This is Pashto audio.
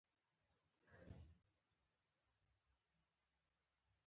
له هر تاوان نه زده کړه وکړه.